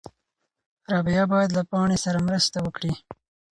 رابعه باید له پاڼې سره مرسته وکړي.